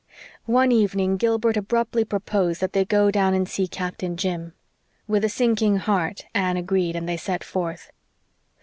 One evening Gilbert abruptly proposed that they go down and see Captain Jim. With a sinking heart Anne agreed, and they set forth.